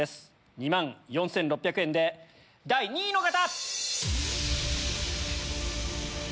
２万４６００円で第２位の方！